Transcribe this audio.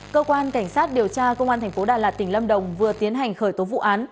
cơ quan cảnh sát điều tra công an thành phố đà lạt tỉnh lâm đồng vừa tiến hành khởi tố vụ án